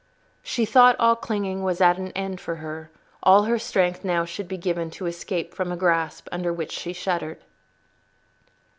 She thought all clinging was at an end for her: all her strength now should be given to escape from a grasp under which she shuddered.